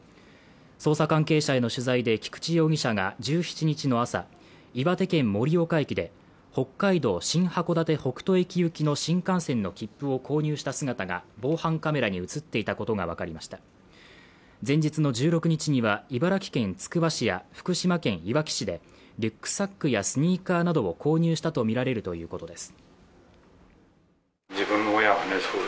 捜査関係者への取材で菊池容疑者が１７日の朝岩手県盛岡駅で北海道新函館北斗駅行きの新幹線の切符を購入した姿が防犯カメラに映っていたことが分かりました前日の１６日には茨城県つくば市や福島県いわき市でリュックサックやスニーカーなどを購入したと見られるということです